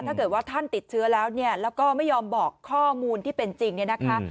ถ้าเกิดว่าท่านติดเชื้อแล้วเนี่ยแล้วก็ไม่ยอมบอกข้อมูลที่เป็นจริงเนี่ยนะคะ